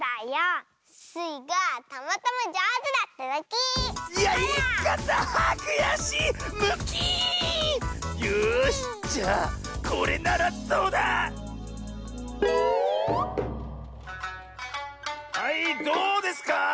はいどうですか？